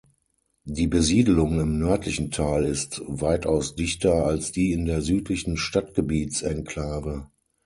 Die Besiedelung im nördlichen Teil ist weitaus dichter als die in der südlichen Stadtgebiets-Enklave.